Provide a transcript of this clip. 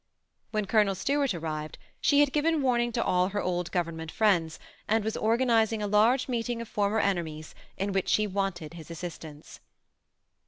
When Colonel Stuart arrived, she had given warning to all her old government fHends, and was organizing a large meeting of former enemies, in which she wanted his assistance.